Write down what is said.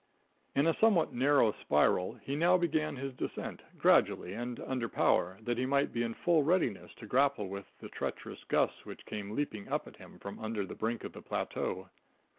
In a somewhat narrow spiral he now began his descent, gradually and under power, that he might be in full readiness to grapple with the treacherous gusts which came leaping up at him from under the brink of the plateau.